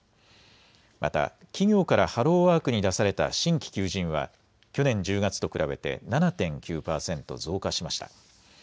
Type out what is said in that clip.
また企業からハローワークに出された新規求人は去年１０月と比べて７．９％増加しました。